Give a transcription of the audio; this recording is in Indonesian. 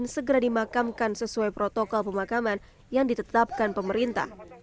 segera dimakamkan sesuai protokol pemakaman yang ditetapkan pemerintah